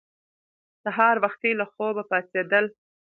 سهار وختي له خوبه پاڅېدل